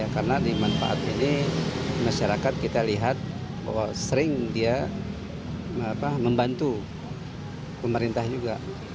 karena di manfaat ini masyarakat kita lihat bahwa sering dia membantu pemerintah juga